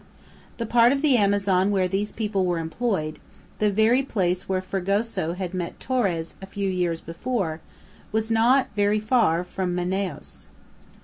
The part of the Amazon where these people were employed, the very place where Fragoso had met Torres a few years before, was not very far from Manaos.